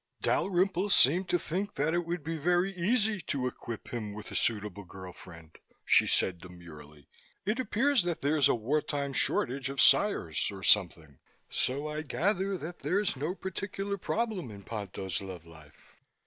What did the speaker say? "Dalrymple seemed to think that it would be very easy to equip him with a suitable girl friend," she said demurely. "It appears that there's a war time shortage of sires or something, so I gather that there's no particular problem in Ponto's love life.